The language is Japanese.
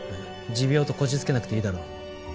持病とこじつけなくていいだろう。